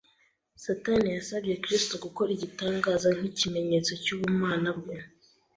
Satani yasabye Kristo gukora igitangaza nk’ikimenyetso cy’ubumana bwe.